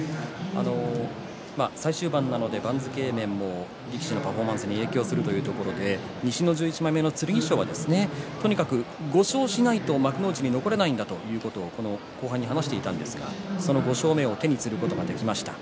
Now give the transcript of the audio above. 最終盤なので番付面も力士のパフォーマンスに影響するということで西の１１枚目の剣翔はとにかく５勝しないと幕内に残れないんだということを話していたんですがその５勝目を手にすることができました。